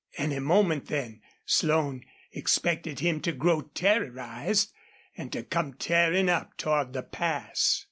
Any moment, then, Slone expected him to grow terrorized and to come tearing up toward the pass.